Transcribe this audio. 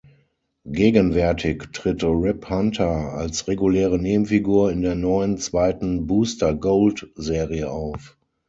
Gegenwärtig tritt Rip Hunter als reguläre Nebenfigur in der neuen, zweiten "Booster Gold"-Serie auf.